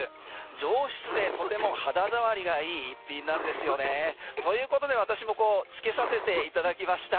上質でとても肌触りが良い逸品なんですよね。ということで私も付けさせていただきました。